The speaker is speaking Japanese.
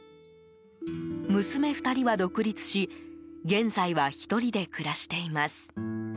娘２人は独立し現在は１人で暮らしています。